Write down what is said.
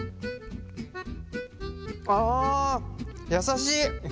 あ優しい。